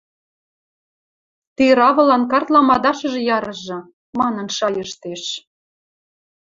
Ти равылан картла мадашыжы ярыжы, – манын шайыштеш.